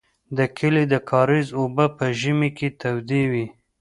د کلي د کاریز اوبه په ژمي کې تودې وې.